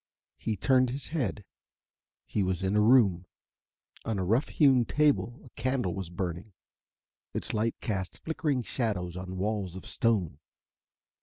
He turned his head. He was in a room. On a rough hewn table a candle was burning. Its light cast flickering shadows on walls of stone.